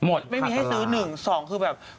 ไม่มีให้ซื้อ๑๒คือแบบ